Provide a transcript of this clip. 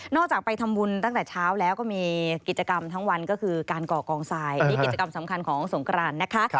จากไปทำบุญตั้งแต่เช้าแล้วก็มีกิจกรรมทั้งวันก็คือการก่อกองทรายนี่กิจกรรมสำคัญของสงกรานนะคะ